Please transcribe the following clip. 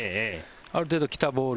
ある程度、来たボール